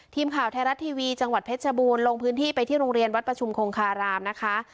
ทีมข่าวไทยรัฐทีวีจังหวัดเพชรบูรณ์ลงพื้นที่ไปที่โรงเรียนวัดประชุมคงคารามนะคะ